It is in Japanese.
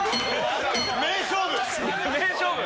名勝負！